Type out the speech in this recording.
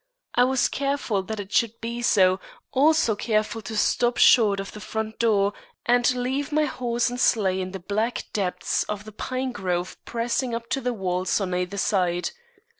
I was careful that it should be so, also careful to stop short of the front door and leave my horse and sleigh in the black depths of the pine grove pressing up to the walls on either side.